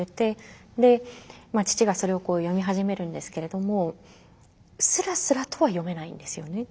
で父がそれを読み始めるんですけれどもすらすらとは読めないんですよね。